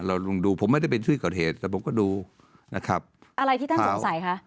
ลงดูผมไม่ได้เป็นที่เกิดเหตุแต่ผมก็ดูนะครับอะไรที่ท่านสงสัยคะ